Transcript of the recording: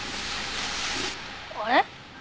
あれ？